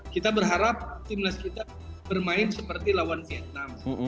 kita berharap tim nasional kita bermain seperti lawan vietnam